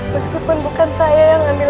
meskipun bukan saya yang ambil